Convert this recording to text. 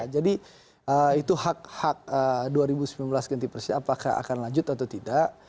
jadi itu hak hak dua ribu sembilan belas ganti persis apakah akan lanjut atau tidak